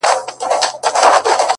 تا په درد كاتــــه اشــــنــــا ـ